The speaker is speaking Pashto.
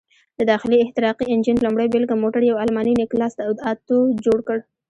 د داخلي احتراقي انجن لومړۍ بېلګه موټر یو الماني نیکلاس اتو جوړ کړ.